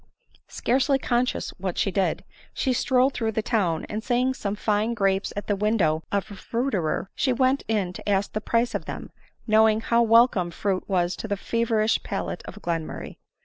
1G2 ADELINE MOWBRAY. Scarcely conscious what she did, she strolled through the town, and seeing some fine grapes at the window of a fruiterer, she went in to ask the price of them, knowing how welcome frui was to the feverish palate of Glenmur ray.